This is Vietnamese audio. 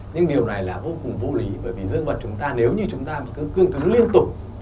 nhưng điều này là vô cùng vô lý bởi vì dương vật chúng ta nếu như chúng ta cứ cương cứng liên tục